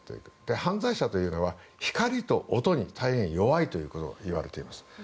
犯罪者は光と音に大変弱いといわれています。